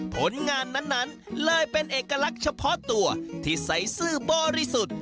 ผลงานนั้นเลยเป็นเอกลักษณ์เฉพาะตัวที่ใส่ซื่อบริสุทธิ์